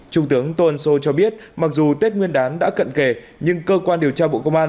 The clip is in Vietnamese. trung tướng tôn sô cho biết mặc dù tết nguyên đán đã cận kề nhưng cơ quan điều tra bộ công an